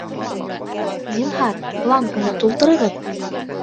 Зинһар, бланкыны тултырығыҙ